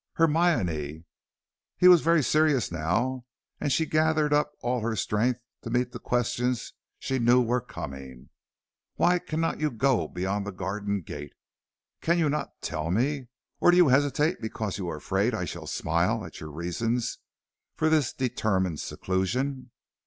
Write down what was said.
"Hermione, " he was very serious now, and she gathered up all her strength to meet the questions she knew were coming, "why cannot you go beyond the garden gate? Cannot you tell me? Or do you hesitate because you are afraid I shall smile at your reasons for this determined seclusion?"